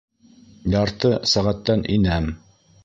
Ярты сәғәттән инәм.